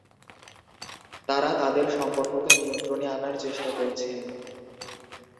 তাঁরা তাঁদের সম্পর্ককে নিয়ন্ত্রণে আনার চেষ্টা করছেন।